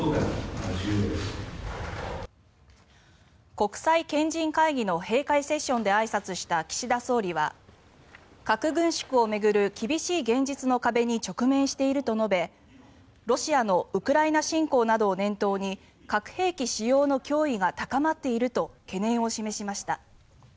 国際賢人会議の閉会セッションであいさつした岸田総理は核軍縮を巡る厳しい現実の壁に直面していると述べロシアのウクライナ侵攻などを念頭に核兵器使用の脅威が高まっていると懸念を示しました。